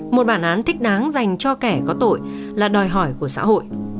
một bản án thích đáng dành cho kẻ có tội là đòi hỏi của xã hội